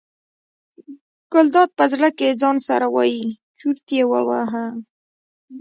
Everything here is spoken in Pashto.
ګلداد په زړه کې ځان سره وایي چورت یې وواهه.